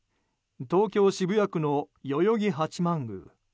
東京・渋谷区の代々木八幡宮。